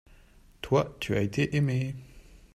Toi, tu as été aimé.